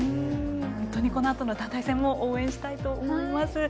本当にこのあとの団体戦も応援したいと思います。